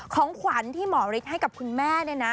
ของขวัญที่หมอฤทธิ์ให้กับคุณแม่เนี่ยนะ